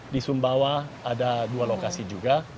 di sumbawa ada dua lokasi juga